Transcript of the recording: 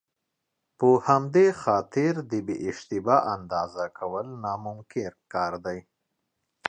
په همدې خاطر د بې اشتباه اندازه کول ناممکن کار دی.